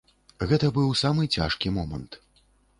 Гэта быў самы цяжкі момант.